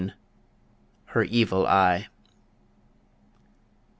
HER EVIL EYE.